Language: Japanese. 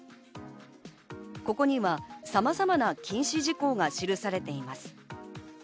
ここにはさまざまな禁止事項が記されています。